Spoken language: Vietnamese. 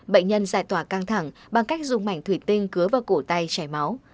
bệnh nhân giải tỏa căng thẳng bằng cách dùng mảnh thủy tinh cứa vào cổ tay chảy máu